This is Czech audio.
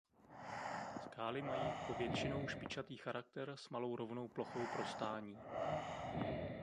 Skály mají po většinou špičatý charakter s malou rovnou plochou pro stání.